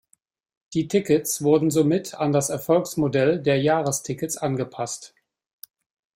Die Tickets wurden somit an das Erfolgsmodell der Jahres-Tickets angepasst.